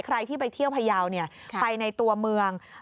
ใครที่ไปเที่ยวพยาวไปในตัวเมือง